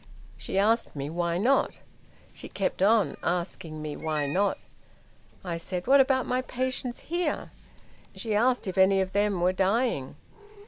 She asked me why not. She kept on asking me why not. I said, What about my patients here? She asked if any of them were dying.